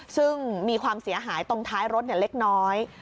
ซึ่งมีความเสียหายตรงท้ายรถเล็กน้อย